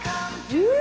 うん！